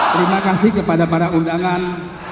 terima kasih kepada para undangan